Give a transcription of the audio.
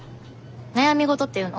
悩み事っていうの？